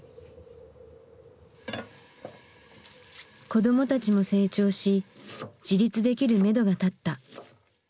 子どもたちも成長し自立できるめどが立った。